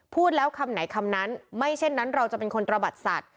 พูดแล้วคำไหนคำนั้นไม่เช่นนั้นเราจะเป็นคนตระบัดสัตว